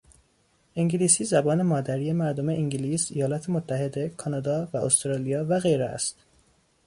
انگلیسی زبان مادری مردم انگلیس، ایالات متحده، کانادا و استرالیا و غیره است.